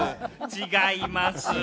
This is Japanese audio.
違いますぅ。